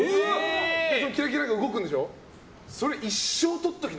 そのキラキラが動くんでしょ？